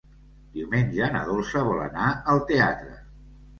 Diumenge na Dolça vol anar al teatre.